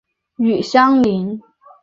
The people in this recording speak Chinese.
与相邻。